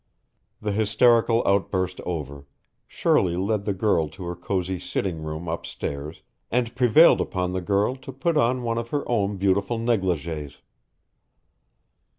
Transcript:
The hysterical outburst over, Shirley led the girl to her cozy sitting room upstairs and prevailed upon the girl to put on one of her own beautiful negligees.